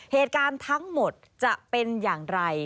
เหตุการณ์ทั้งหมดจะเป็นอย่างไร